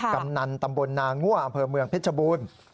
กำนันตำบลนางั่วอำเภอเมืองเพชรบูรณ์